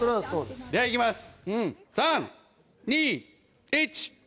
では行きます